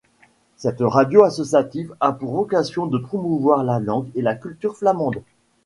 Cette radio associative a pour vocation de promouvoir la langue et la culture flamandes.